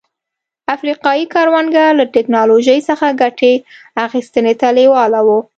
افریقايي کروندګر له ټکنالوژۍ څخه ګټې اخیستنې ته لېواله وو.